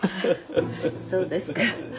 そうですか。